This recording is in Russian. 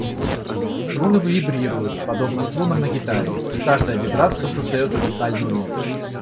Струны вибрируют, подобно струнам на гитаре, и каждая вибрация создает уникальную ноту.